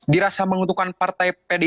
dirasa menguntungkan partai pdi